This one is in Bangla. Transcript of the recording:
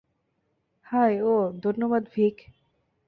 হাই ওহ, ধন্যবাদ, ভিক।